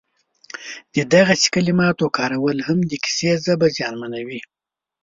د دغسې کلماتو کارول هم د کیسې ژبه زیانمنوي